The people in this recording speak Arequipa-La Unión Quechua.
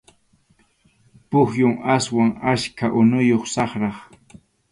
Pukyum aswan achka unuyuq, saqrap.